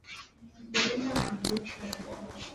Tufike uwanjani kuna sherehe